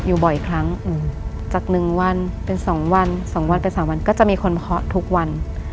อยู่บ่อยครั้งจาก๑วันเป็น๒วัน๒วันเป็น๓วันก็จะมีคนเพาะทุกวัน